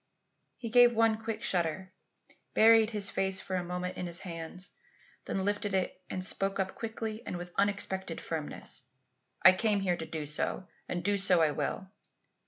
He gave one quick shudder, buried his face for one moment in his hands, then lifted it and spoke up quickly and with unexpected firmness: "I came here to do so and do so I will.